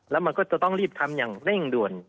แล้วมันก็จะต้องรีบทำอย่างเร่งด่วน